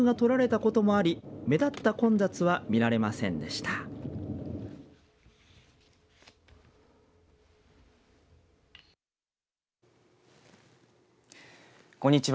こんにちは。